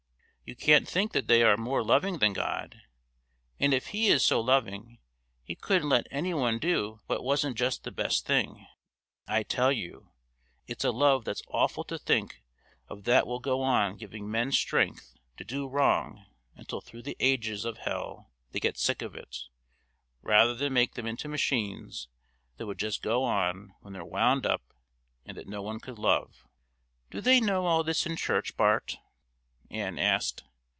You can't think that you are more loving than God; and if He is so loving, He couldn't let any one do what wasn't just the best thing. I tell you, it's a love that's awful to think of that will go on giving men strength to do wrong until through the ages of hell they get sick of it, rather than make them into machines that would just go when they're wound up and that no one could love." "Do they know all this in church, Bart?" Ann asked.